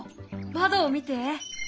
窓を見て。